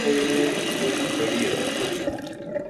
میں مُچ بڑی ہمت کری